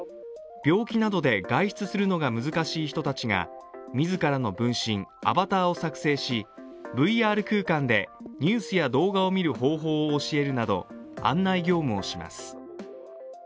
病気などで外出するのが難しい人たちが、自らの分身＝アバターを作成し、ＶＲ空間でニュースや動画を見る方法を教えるなど案内業務をします。